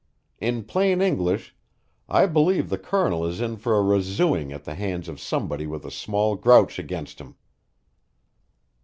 In plain English, I believe the Colonel is in for a razooing at the hands of somebody with a small grouch against him."